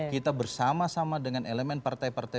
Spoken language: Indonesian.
kita bersama sama dengan elemen partai partai